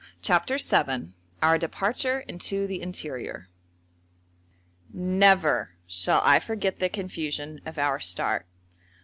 CHAPTER VII OUR DEPARTURE INTO THE INTERIOR Never shall I forget the confusion of our start.